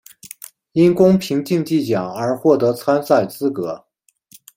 因公平竞技奖而获得参赛资格。